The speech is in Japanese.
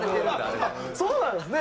そうなんですね